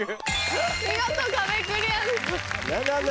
見事壁クリアです。